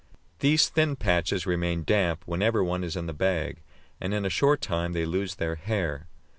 These thin patches remain damp whenever one is in the bag, and in a short time they lose their hair.